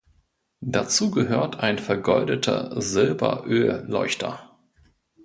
Dazu gehört ein vergoldeter Silberölleuchter.